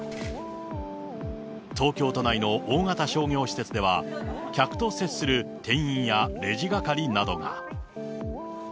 東京都内の大型商業施設では、客と接する店員やレジ係などが。